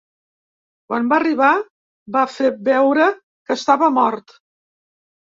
Quan va arribar, va fer veure que estava mort.